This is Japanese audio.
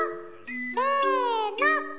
せの。